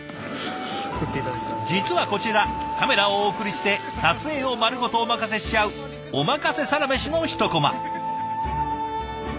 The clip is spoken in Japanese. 実はこちらカメラをお送りして撮影を丸ごとお任せしちゃう「おまかせサラメシ」の１コマ。